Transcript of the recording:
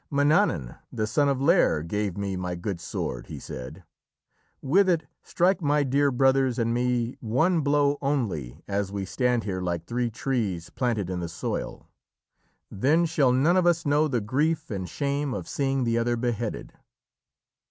"Mannanan, the son of Lîr, gave me my good sword," he said. "With it strike my dear brothers and me one blow only as we stand here like three trees planted in the soil. Then shall none of us know the grief and shame of seeing the other beheaded."